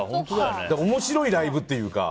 面白いライブっていうか。